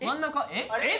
えっ？